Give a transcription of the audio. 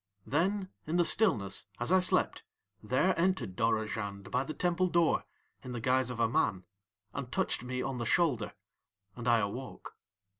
Then in the stillness, as I slept, there entered Dorozhand by the temple door in the guise of a man, and touched me on the shoulder, and I awoke.